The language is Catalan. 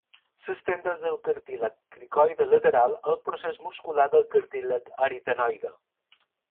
S'estén des del cartílag cricoide lateral al procés muscular del cartílag aritenoide.